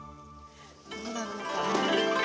どうなるのかな。